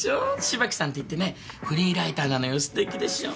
芝木さんて言ってねフリーライターなのよ素敵でしょ。